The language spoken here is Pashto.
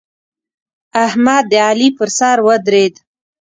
احمد د علي پر سر ودرېد.